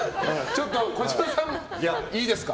児嶋さん、いいですか。